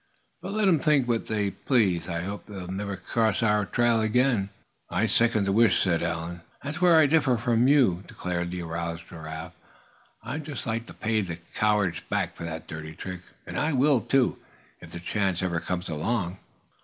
But let 'em think what they please. I hope we'll never cross their trail again." "Second the wish," said Allan. "That's where I differ with you," declared the aroused Giraffe, "I'd just like to pay the cowards back for that dirty trick; and I will, too, if the chance ever comes along."